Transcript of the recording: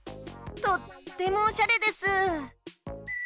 とってもおしゃれです。